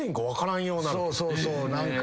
そうそうそう何か。